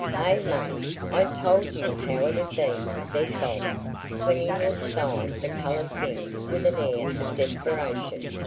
"Eh, mum, I told you how it 'ud be," said Bob, flinging aside the coloured things with an air of desperation.